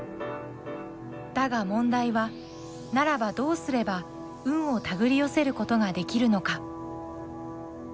だが問題はならばどうすれば運をたぐり寄せることができるのか。